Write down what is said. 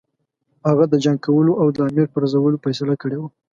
هغه د جنګ کولو او د امیر پرزولو فیصله کړې وه.